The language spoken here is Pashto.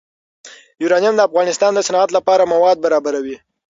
یورانیم د افغانستان د صنعت لپاره مواد برابروي.